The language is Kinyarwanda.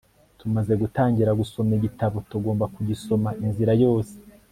tumaze gutangira gusoma igitabo, tugomba kugisoma inzira yose